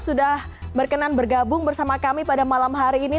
sudah berkenan bergabung bersama kami pada malam hari ini